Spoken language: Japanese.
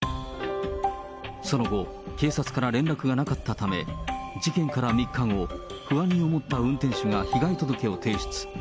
その後、警察から連絡がなかったため、事件から３日後、不安に思った運転手が被害届を提出。